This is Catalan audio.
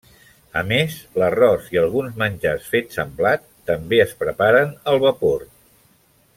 A més, l'arròs i alguns menjars fets amb blat també es preparen al vapor.